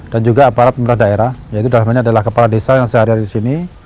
dan juga aparat pemerintah daerah yaitu dalam hal ini adalah kepala desa yang sehari hari di sini